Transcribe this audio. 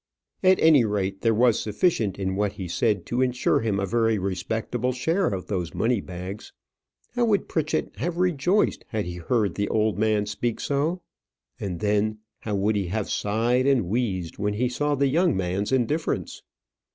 At any rate, there was sufficient in what he said to insure him a very respectable share of those money bags. How would Pritchett have rejoiced had he heard the old man speak so! and then how would he have sighed and wheezed when he saw the young man's indifference!